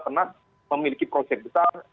pernat memiliki projek besar